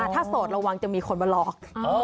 ถ้าโสดระวังจะมีคนมาหลอก